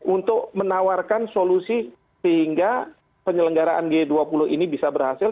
untuk menawarkan solusi sehingga penyelenggaraan g dua puluh ini bisa berhasil